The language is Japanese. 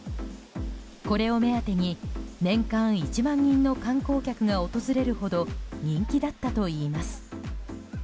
これを目当てに年間１万人の観光客が訪れるほど人気だったといいます。